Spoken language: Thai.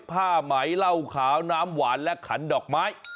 ผ้าไหมเหล้าขาวน้ำหวานและขันดอกไม้